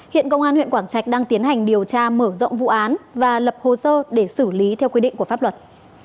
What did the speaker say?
hiện công an huyện quảng trạch đang tiến hành điều tra mở rộng vụ án và lập hồ sơ để xử lý theo quy định của pháp luật